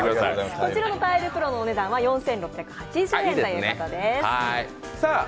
こちらのタイルプロのお値段は４６８０円ということです。